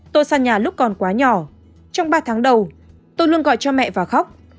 tôi sang nhà lúc còn quá nhỏ trong ba tháng đầu tôi luôn gọi cho mẹ và khóc